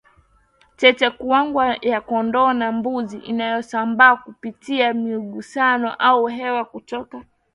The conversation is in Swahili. tetekuwanga ya kondoo na mbuzi inavyosambaa kupitia migusano au hewa kutoka